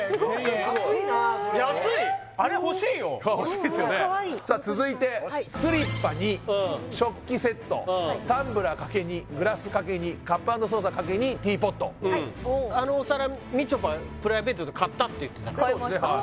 安いなあそれあれ欲しいよカワイイさあ続いてスリッパ２食器セットタンブラー×２グラス×２カップ＆ソーサー×２ティーポットあのお皿みちょぱプライベートで買ったって言ってたから買いました